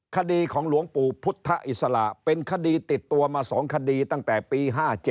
คดีของหลวงปู่พุทธอิสระเป็นคดีติดตัวมา๒คดีตั้งแต่ปี๕๗